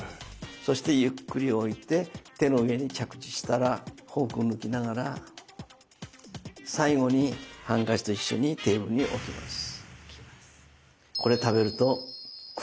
そしてゆっくり置いて手の上に着地したらフォークを抜きながら最後にハンカチと一緒にテーブルに置きます。